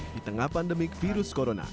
di tengah pandemik virus corona